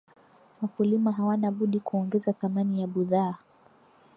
wakulima hawana budi kuongeza thamani ya budhaa